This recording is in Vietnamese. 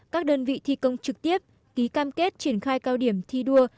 các đơn vị thi công trực tiếp ký cam kết triển khai cao điểm thi đua